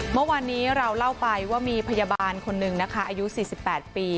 เมื่อวานนี้เราเล่าไปว่ามีพยาบาลคนหนึ่งนะคะอายุ๔๘ปี